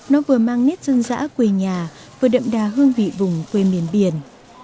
nó vừa mang nét dân dã quê nhà vừa đậm đà hương vị vùng quê miền biển